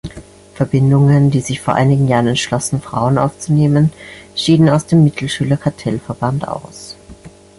Verbindungen, die sich vor einigen Jahren entschlossen, Frauen aufzunehmen, schieden aus dem Mittelschüler-Kartell-Verband aus.